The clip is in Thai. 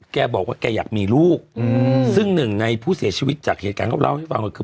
แกบอกว่าแกอยากมีลูกซึ่งหนึ่งในผู้เสียชีวิตจากเหตุการณ์เขาเล่าให้ฟังก็คือ